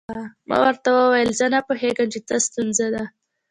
ما ورته وویل زه نه پوهیږم چې څه ستونزه ده.